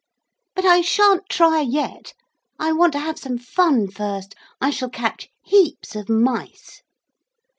'But I sha'n't try yet. I want to have some fun first. I shall catch heaps of mice!'